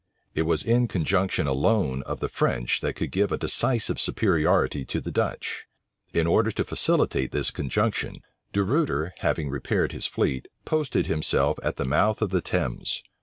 It was the conjunction alone of the French, that could give a decisive superiority to the Dutch. In order to facilitate this conjunction, De Ruyter, having repaired his fleet, posted himself at the mouth of the Thames.